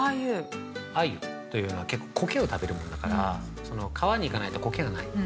アユというのはコケを食べるものだから川に行かないとコケがない。